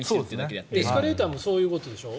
エスカレーターもそういうことでしょ。